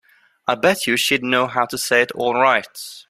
I bet you she'd know how to say it all right.